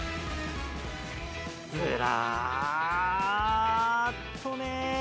ずらっとね。